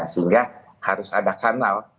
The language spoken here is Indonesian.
sehingga harus ada kanal